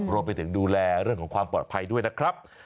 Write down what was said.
รวมไปถึงดูแลเรื่องของความปลอดภัยด้วยนะครับ